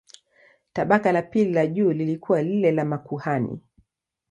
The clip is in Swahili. Tabaka la pili la juu lilikuwa lile la makuhani.